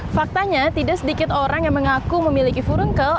faktanya tidak sedikit orang yang mengaku memiliki furunkel